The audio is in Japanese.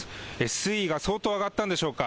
水位が相当上がったんでしょうか。